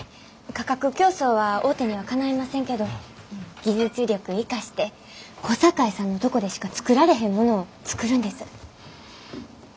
価格競争は大手にはかないませんけど技術力生かして小堺さんのとこでしか作られへんものを作るんです。